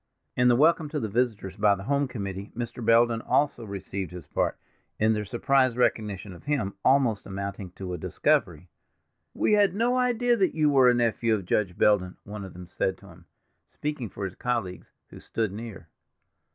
In the welcome to the visitors by the home committee Mr. Belden also received his part, in their surprised recognition of him, almost amounting to a discovery. "We had no idea that you were a nephew of Judge Belden," one of them said to him, speaking for his colleagues, who stood near.